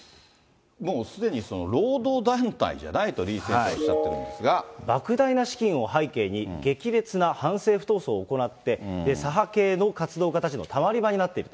もうすでに労働団体じゃないと、ばく大な資金を背景に、激烈な反政府闘争を行って、左派系の活動家たちのたまり場になっていると。